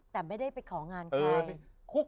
แต่ไม่ได้ไปของานใคร